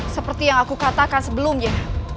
seperti yang aku katakan sebelumnya